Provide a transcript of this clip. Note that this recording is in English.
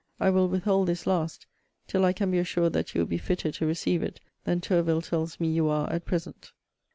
I will withhold this last till I can be assured that you will be fitter to receive it than Tourville tells me you are at present.